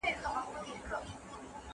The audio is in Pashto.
سکتور د اقتصاد د حرکت لپاره اړین دی.